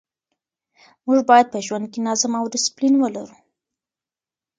موږ باید په ژوند کې نظم او ډسپلین ولرو.